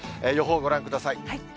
予報ご覧ください。